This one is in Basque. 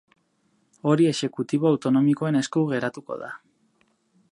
Hori exekutibo autonomikoen esku geratuko da.